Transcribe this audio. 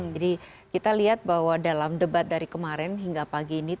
jadi kita lihat bahwa dalam debat dari kemarin hingga pagi ini